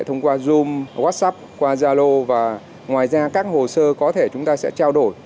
thông qua zoom whatsapp qua zalo và ngoài ra các hồ sơ có thể chúng ta sẽ trao đổi